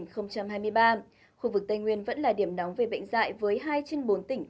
khu vực tây nguyên vẫn là điểm nóng về bệnh dạy với hai trên bốn tỉnh